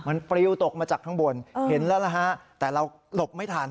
มันปลิวตกมาจากข้างบนเห็นแล้วนะฮะแต่เราหลบไม่ทัน